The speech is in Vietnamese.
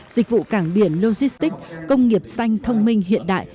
dịch vụ cảng biển logistics công nghiệp xanh thông minh hiện đại